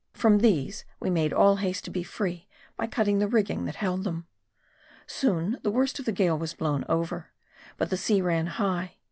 From these we made all haste to be free, by cutting the rigging that held them. Soon, the worst of the gale was blown over. But the sea ran high.